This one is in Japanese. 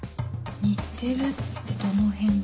似てるってどのへんが。